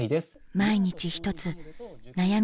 毎日１つ悩み